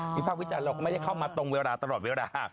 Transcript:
ภาควิจารณ์เราก็ไม่ได้เข้ามาตรงเวลาตลอดเวลา